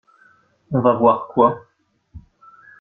On va voir quoi?